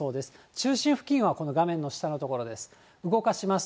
中心付近はこの画面の下の所です。